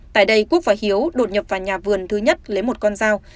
tại đây quốc và hiếu đột nhập vào nhà vườn thứ nhất lấy một con dao